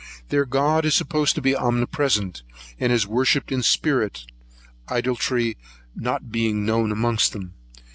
Their God is supposed to be omnipresent, and is worshipped in spirit, idolatry not being known amongst them.